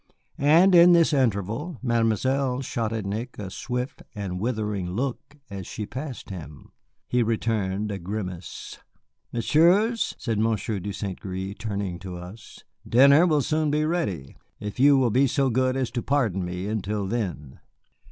And in this interval Mademoiselle shot at Nick a swift and withering look as she passed him. He returned a grimace. "Messieurs," said Monsieur de St. Gré, turning to us, "dinner will soon be ready if you will be so good as to pardon me until then."